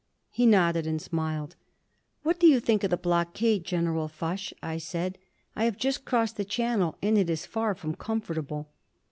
He nodded and smiled. "What do you think of the blockade, General Foch?" I said. "I have just crossed the Channel and it is far from comfortable."